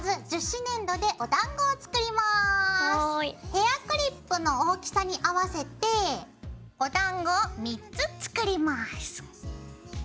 ヘアクリップの大きさに合わせておだんごを３つ作ります。